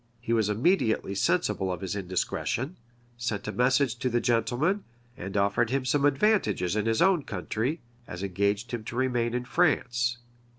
He was immediately sensible of his indiscretion; sent a message to the gentleman; and offered him some advantages in his own country, as engaged him to remain in France.